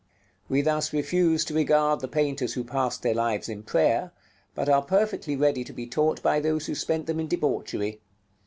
We thus refuse to regard the painters who passed their lives in prayer, but are perfectly ready to be taught by those who spent them in debauchery.